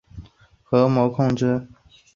核膜控制小分子物质的进出。